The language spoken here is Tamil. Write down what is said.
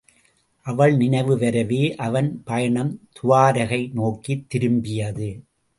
அவள் நினைவு வரவே அவன் பயணம் துவாரகை நோக்கித் திரும்பியது.